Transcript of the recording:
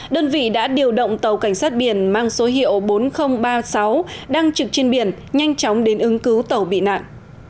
đơn vị đã điều động tàu cảnh sát biển mang số hiệu bốn nghìn ba mươi sáu đang trực trên biển nhanh chóng đến ứng cứu tàu bị nạn